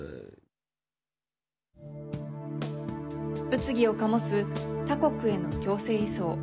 物議をかもす他国への強制移送。